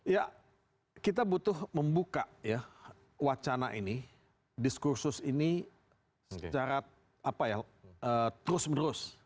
ya kita butuh membuka ya wacana ini diskursus ini secara apa ya terus menerus